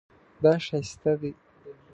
دا ښایسته دی